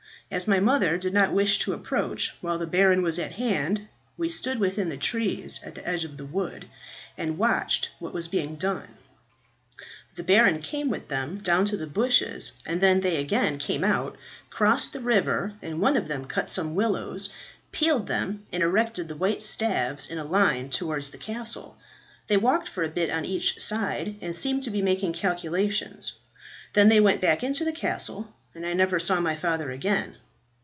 As my mother did not wish to approach while the baron was at hand, we stood within the trees at the edge of the wood, and watched what was being done. The baron came with them down to the bushes, and then they again came out, crossed the river, and one of them cut some willows, peeled them, and erected the white staves in a line towards the castle. They walked for a bit on each side, and seemed to be making calculations. Then they went back into the castle, and I never saw my father again."